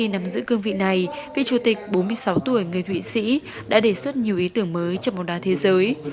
ngày vị chủ tịch bốn mươi sáu tuổi người thụy sĩ đã đề xuất nhiều ý tưởng mới cho bóng đá thế giới